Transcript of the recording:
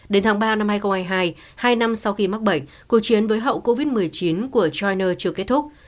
đến tháng ba năm hai nghìn hai mươi hai hai năm sau khi mắc bệnh cuộc chiến với hậu covid một mươi chín của chiner chưa kết thúc